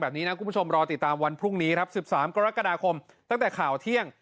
ล้างคุณผู้ชมรอติดตามวันพรุ่งนี้๑๓กรกฎคตั้งแต่ข่าวเที่ยง